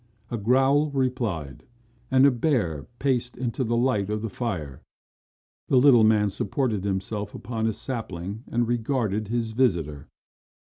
A growl replied and a bear paced into the light of the fire. The little man supported himself upon a sapling and regarded his visitor.